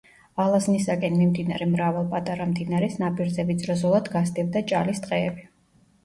ალაზნისაკენ მიმდინარე მრავალ პატარა მდინარეს ნაპირზე ვიწრო ზოლად გასდევდა ჭალის ტყეები.